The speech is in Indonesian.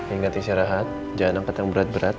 ingat isi rehat jangan angkat yang berat berat